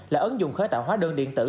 là ấn dụng khởi tạo hóa đơn điện tử